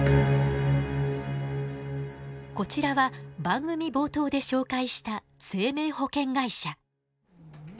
こちらは番組冒頭で紹介した生命保険会社。